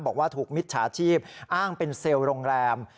บอกว่าถูกมิจฉาชีพอ้างเป็นเซลล์โรงแรม